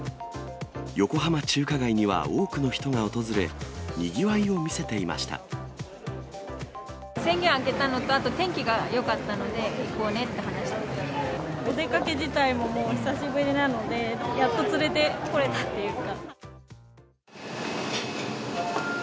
横浜中華街には多くの人が訪れ、宣言明けたのと、あと天気がよかったので、お出かけ自体ももう久しぶりなので、やっと連れてこれたっていうか。